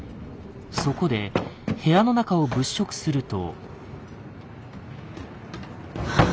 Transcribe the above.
そこで部屋の中を物色すると。